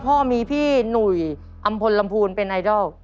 พ่อมีพี่หนุ่ยอำพลลำพูนเป็นไอดอล